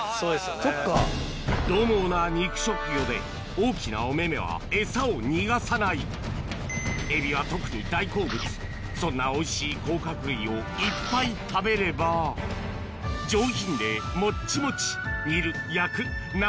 大きなお目目はエサを逃がさないエビは特に大好物そんなおいしい甲殻類をいっぱい食べれば上品でモッチモチ煮る焼く生